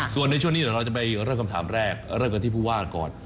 ส่วนช่วงนี้เราจะไปถึงเรื่องจากคำถามแรกและเรื่องกันที่พูดบ้านก่อน